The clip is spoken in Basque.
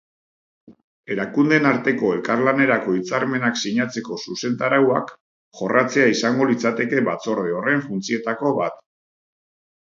Erakundeen arteko elkarlanerako hitzarmenak sinatzeko zuzentarauak jorratzea izango litzateke batzorde horren funtzioetako bat.